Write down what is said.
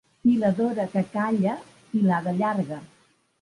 Filadora que calla, filada llarga.